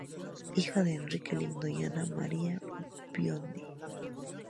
Hija de Enrique Lindo y Ana María Biondi.